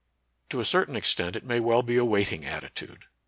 To a certain extent it may well be a waiting attitude.